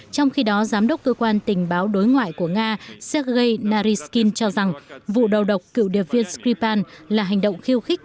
trong khi đó giám đốc cơ quan tình báo đối ngoại của nga sergei naryshkin cho rằng vụ đầu độc cựu điệp viên skripal là hành động khiêu khích